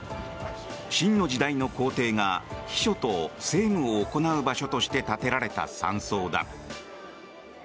清の時代の皇帝が避暑と政務を行う場所として建てられた山荘だ。